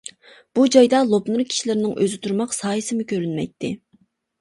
بۇ جايدا لوپنۇر كىشىلىرىنىڭ ئۆزى تۇرماق سايىسىمۇ كۆرۈنمەيتتى.